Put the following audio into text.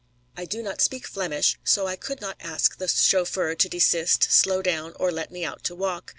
I do not speak Flemish, so I could not ask the chauffeur to desist, slow down, or let me out to walk.